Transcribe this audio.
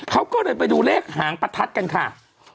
เขาก็เลยไปดูเลขหางประทัดกันค่ะ